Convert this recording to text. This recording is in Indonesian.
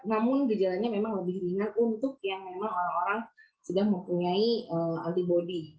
namun gejalanya memang lebih ringan untuk yang memang orang orang sudah mempunyai antibody